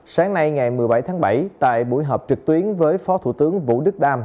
sáng nay ngày một mươi bảy tháng bảy tại buổi họp trực tuyến với phó thủ tướng vũ đức đam